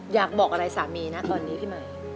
อยากบอกอะไรสามีนะตอนนี้พี่ใหม่